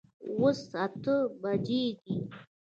اوس اته بجي دي